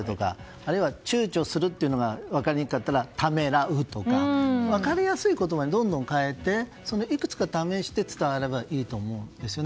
あるいはちゅうちょするというのが分かりにくかったらためらうとか分かりやすい言葉にどんどん変えていくつか試して伝わればいいと思うんですよね。